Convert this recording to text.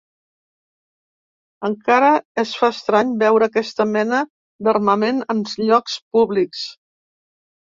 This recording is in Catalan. Encara es fa estrany veure aquesta mena d’armament en llocs públics.